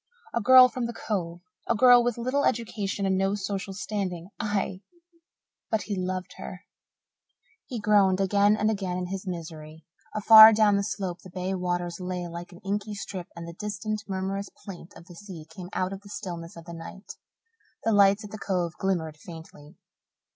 A girl from the Cove a girl with little education and no social standing aye! but he loved her. He groaned again and again in his misery. Afar down the slope the bay waters lay like an inky strip and the distant, murmurous plaint of the sea came out of the stillness of the night; the lights at the Cove glimmered faintly.